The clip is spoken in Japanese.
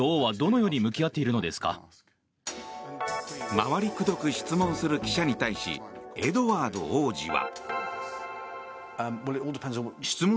回りくどく質問する記者に対しエドワード王子は。